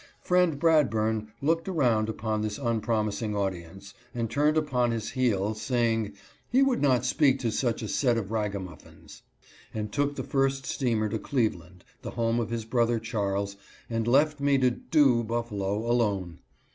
Friend Bradburn looked around upon this unpromising audience, and turned upon his heel, saying he would not speak to " such a set of ragamuffins," and took the first steamer to Cleveland, the home of his brother Charles, and left me to " do " Buffalo alone.